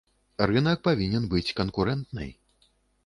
Рынак павінен быць канкурэнтнай.